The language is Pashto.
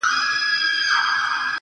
هڅه انسان مخکې بیايي.